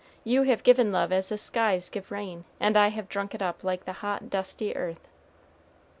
You have given love as the skies give rain, and I have drunk it up like the hot dusty earth."